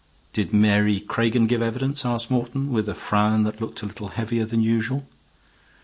"Did Mary Cregan give evidence?" asked Morton, with a frown that looked a little heavier than usual.